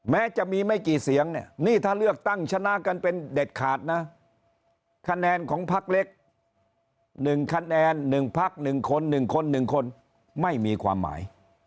แม้จะมีไม่กี่เสียงเนี่ยนี่ถ้าเลือกตั้งชนะกันเป็นเด็ดขาดนะคะแนนของพักเล็ก๑คะแนน๑พัก๑คน๑คน๑คนไม่มีความหมาย